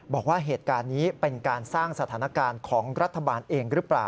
บอกว่าเหตุการณ์นี้เป็นการสร้างสถานการณ์ของรัฐบาลเองหรือเปล่า